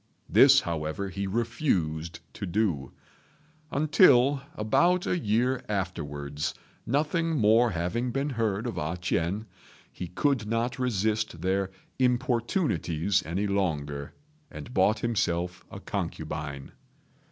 This, however, he refused to do; until, about a year afterwards, nothing more having been heard of A ch'ien, he could not resist their importunities any longer, and bought himself a concubine.